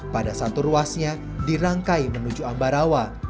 pada satu ruasnya dirangkai menuju ambarawa